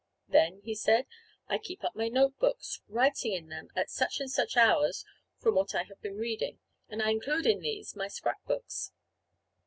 "Then," he said, "I keep up my note books, writing in them at such and such hours from what I have been reading; and I include in these my scrap books."